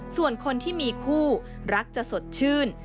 ส่วนคนที่มีคู่รักจะสดชื่น